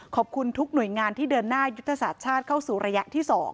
ขอบคุณทุกหน่วยงานที่เดินหน้ายุทธศาสตร์ชาติเข้าสู่ระยะที่๒